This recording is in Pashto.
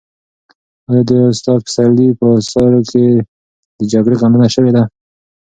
آیا د استاد پسرلي په اثارو کې د جګړې غندنه شوې ده؟